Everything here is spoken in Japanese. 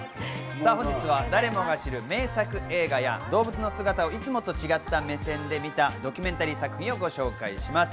本日は誰もが知る名作映画や動物の姿をいつもと違った目線で見たドキュメンタリー作品をご紹介します。